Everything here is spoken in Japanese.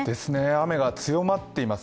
雨が強まっています。